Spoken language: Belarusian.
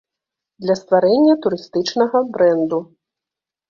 Для стварэння турыстычнага брэнду.